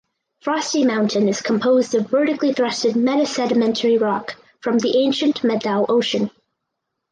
Frosty Mountain is composed of vertically thrusted metasedimentary rock from the ancient Methow Ocean.